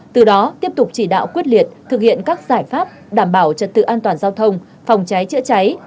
từ đó tiếp tục chỉ đạo quyết liệt thực hiện các giải pháp đảm bảo trật tự an toàn giao thông phòng cháy chữa cháy